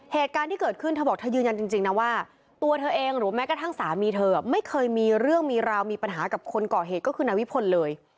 เหตุการณ์ที่เกิดขึ้นเธอบอกเธอยืนยันจริงนะว่าตัวเธอเองหรือแม้กระทั่งสามีเธอไม่เคยมีเรื่องมีราวมีปัญหากับคนก่อเหตุก็คือนายวิพลเลย